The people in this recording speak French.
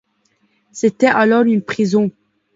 C’était alors une prison.